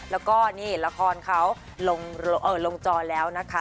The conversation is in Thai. แล้วก็นี่ละครเขาลงจอแล้วนะคะ